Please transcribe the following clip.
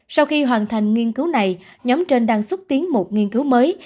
sau khi hoàn thành nghiên cứu này nhóm trên đang xúc tiến một nghiên cứu mới